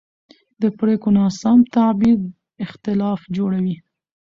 د پرېکړو ناسم تعبیر اختلاف جوړوي